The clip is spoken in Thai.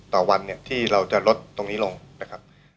ต่อวันเนี่ยที่เราจะลดตรงนี้ลงนะครับ